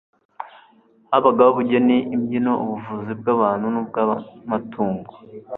habagaho ubugeni imbyino, ubuvuzi bw'abantu n'ubw'amatungo